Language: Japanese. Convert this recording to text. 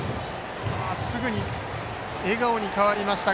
すぐに笑顔に変わりました。